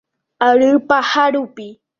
Ary paha rupi.